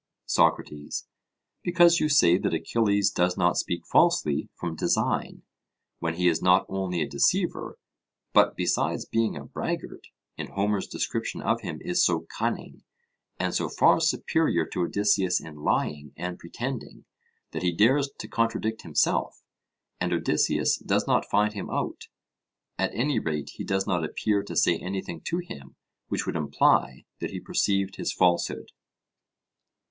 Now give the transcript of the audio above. SOCRATES: Because you say that Achilles does not speak falsely from design, when he is not only a deceiver, but besides being a braggart, in Homer's description of him is so cunning, and so far superior to Odysseus in lying and pretending, that he dares to contradict himself, and Odysseus does not find him out; at any rate he does not appear to say anything to him which would imply that he perceived his falsehood.